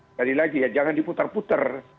sekali lagi ya jangan diputar putar